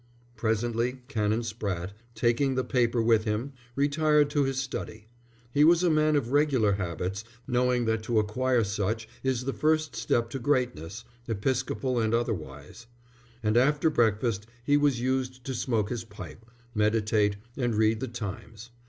Presently Canon Spratte, taking the paper with him, retired to his study. He was a man of regular habits, knowing that to acquire such is the first step to greatness, episcopal and otherwise; and after breakfast he was used to smoke his pipe, meditate, and read the Times.